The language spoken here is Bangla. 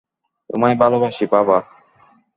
তোমায় ভালোবাসি, বাবা।